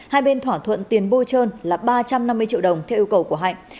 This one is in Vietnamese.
hai bên thỏa thuận tiền bôi trơn là ba trăm năm mươi triệu đồng theo yêu cầu của hạnh